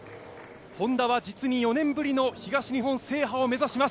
Ｈｏｎｄａは実に４年ぶりの東日本制覇を目指します。